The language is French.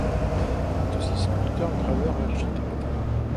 Il est aussi sculpteur, graveur et architecte.